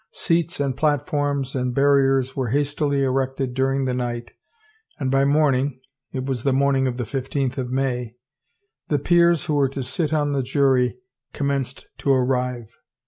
Seats and platforms and bar riers were hastily erected during the night and by morn ing — it was the morning of the fifteenth of May — the peers who were to sit on the jury commenced to arrive.